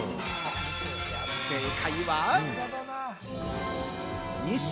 正解は。